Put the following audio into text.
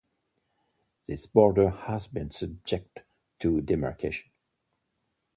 This border has been subjected to demarcation.